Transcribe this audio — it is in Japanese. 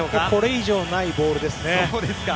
これ以上ないボールですね。